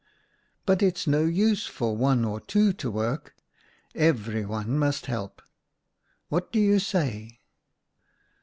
But it's no use for one or two to work ; everyone must help. What do you say